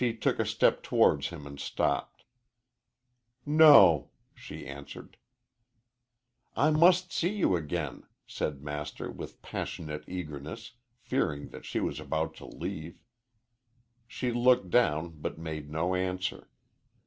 She took a step towards him and stopped. "No," she answered. "I must see you again," said Master, with passionate eagerness, fearing that she was about to leave. She looked down but made no answer.